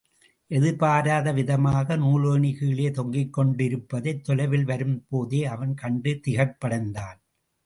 எதிர்பாராத விதமாக நூலேணி கீழே தொங்கிக்கொண்டிருப்பதைத் தொலைவில் வரும் போதே அவன் கண்டு திகைப்படைந்தான்.